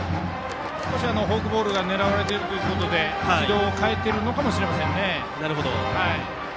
少しフォークボールが狙われているということで軌道を変えているのかもしれませんね。